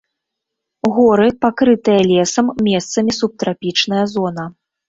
Горы, пакрытыя лесам, месцамі субтрапічная зона.